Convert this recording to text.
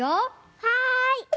はい。